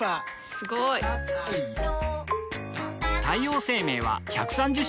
すごい！太陽生命は１３０周年